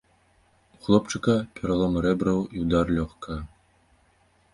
У хлопчыка пераломы рэбраў і ўдар лёгкага.